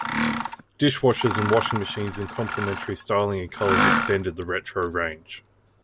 Dishwashers and washing machines in complementary styling and colours extended the retro range.